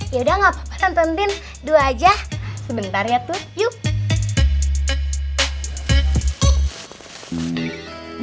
ya udah gak apa apa nonton tin dua aja sebentar ya tut yuk